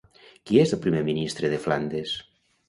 Qui és el primer ministre de Flandes?